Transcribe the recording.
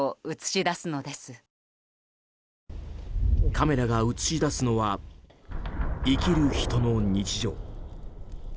カメラが映し出すのは生きる人の日常。